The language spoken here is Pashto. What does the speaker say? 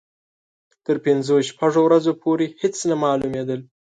تر پنځو شپږو ورځو پورې هېڅ نه معلومېدل.